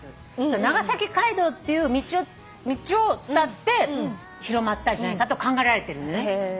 長崎街道っていう道を伝って広まったんじゃないかと考えられてるのね。